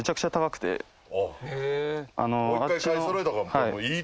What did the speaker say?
はい。